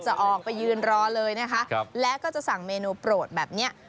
จะออกไปยืนรอเลยนะคะแล้วก็จะสั่งเมนูโปรดแบบเนี้ย